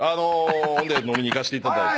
飲みに行かせていただいて。